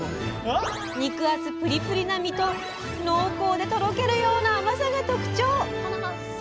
肉厚プリプリな身と濃厚でとろけるような甘さが特徴！